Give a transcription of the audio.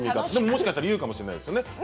でももしかしたら言うかもしれないですよね。